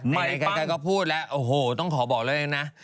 ในใครก็พูดแล้วโอ้โหต้องขอบอกเลยเนี่ยนะ